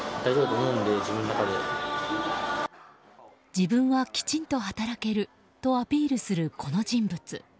自分はきちんと働けるとアピールする、この人物。